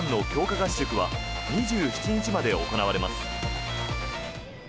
合宿は２７日まで行われます。